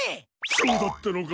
そうだったのか？